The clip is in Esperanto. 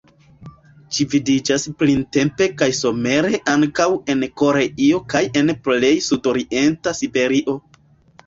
Ĝi vidiĝas printempe kaj somere ankaŭ en Koreio kaj en plej sudorienta Siberio.